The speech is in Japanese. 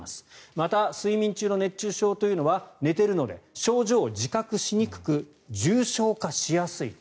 また睡眠中の熱中症というのは寝ているので症状を自覚しにくく重症化しやすい。